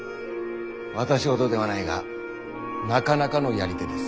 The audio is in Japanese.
私ほどではないがなかなかのやり手です。